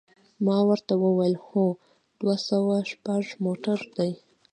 ما ورته وویل: هو، دوه سوه شپږ موټر دی.